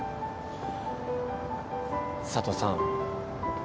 佐都さん。